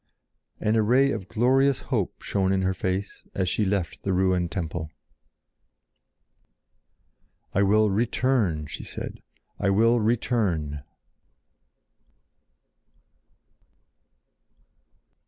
And a ray of glorious hope shone in her face as she left the ruined temple. "I will return!" she said. "I will return!"